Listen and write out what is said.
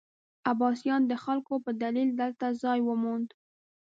عباسیانو د خلکو په دلیل دلته ځای وموند.